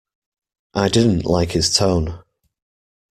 I didn't like his tone.